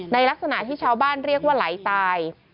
ลักษณะที่ชาวบ้านเรียกว่าไหลตาย